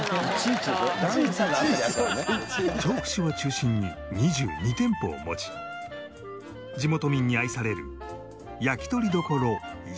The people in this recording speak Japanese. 調布市を中心に２２店舗を持ち地元民に愛されるやきとり処い